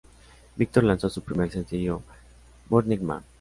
Victor lanzó su primer sencillo "Burning Man".